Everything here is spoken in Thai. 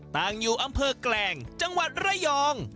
ตั้งอยู่อำเภอแกลงจังหวัดระยอง